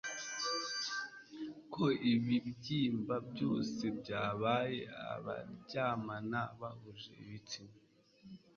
Ko ibibyimba byose byabaye abaryamana bahuje ibitsina